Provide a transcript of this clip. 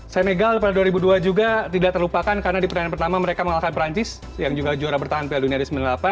senegal pada dua ribu dua juga tidak terlupakan karena di pertandingan pertama mereka mengalahkan perancis yang juga juara bertahan piala dunia di sembilan puluh delapan